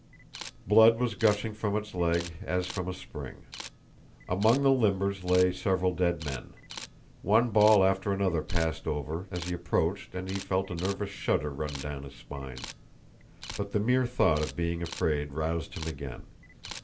Blood was gushing from its leg as from a spring. Among the limbers lay several dead men. One ball after another passed over as he approached and he felt a nervous shudder run down his spine. But the mere thought of being afraid roused him again.